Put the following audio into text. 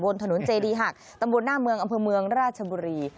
บนถนนเจดีหักตำบลหน้าเมืองอำเภอเมืองราชบุรี